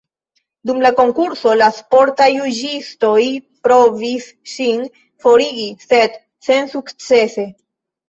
Dum la konkurso, la sportaj juĝistoj provis ŝin forigi, sed sensukcese.